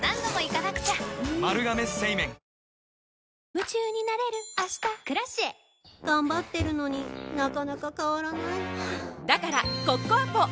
夢中になれる明日「Ｋｒａｃｉｅ」頑張ってるのになかなか変わらないはぁだからコッコアポ！